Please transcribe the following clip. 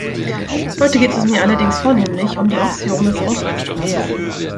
Heute geht es mir allerdings vornehmlich um die Ausführung des Haushaltsplans.